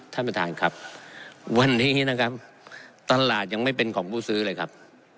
ท่านประธานครับวันนี้นะครับตลาดยังไม่เป็นของผู้ซื้อเลยครับ